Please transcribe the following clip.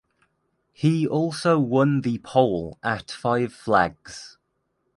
He also won the pole at Five Flags.